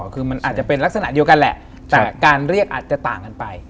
คือมันอาจจะเป็นลักษณะเดียวกันแหละ